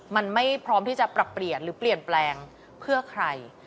มันไม่พร้อมที่จะปรับเปลี่ยนหรือเปลี่ยนแปลงเพื่อใคร